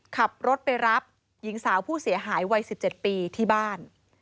ขับรถไปรับหญิงสาวผู้เสียหายวัย๑๗ปีที่บ้าน